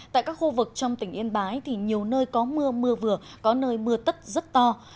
tại các khu vực trong tỉnh yên bái thì nhiều nơi có mưa mưa vừa có nơi mưa tất rất to